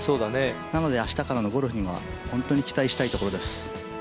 なので明日からのゴルフには本当に期待したいところです。